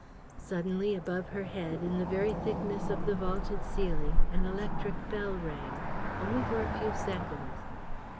... Suddenly, above her head, in the very thickness of the vaulted ceiling, an electric bell rang ... only for a few seconds.